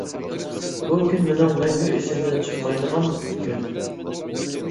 بۇ كۈن مىنىڭ مەڭگۈ ئىسىمدىن چىقمايدىغان كۈن.